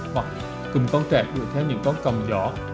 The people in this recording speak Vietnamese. hoặc cùng con trẻ đuổi theo những con còng giỏ